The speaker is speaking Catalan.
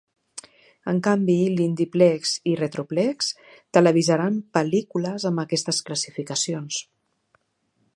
En canvi, IndiePlex i RetroPlex televisaran pel·lícules amb aquestes classificacions.